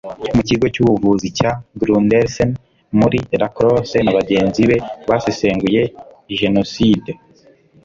mu kigo cy’ubuvuzi cya Gundersen muri La Crosse na bagenzi be basesenguye genoside